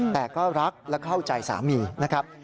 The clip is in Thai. แต่ก็รักและเข้าใจสามีนะครับ